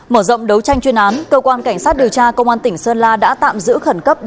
mở rộng đấu tranh chuyên án cơ quan cảnh sát điều tra công an tỉnh sơn la đã tạm giữ khẩn cấp